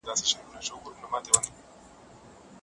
رایه ورکوونکي څنګه استازي څاري؟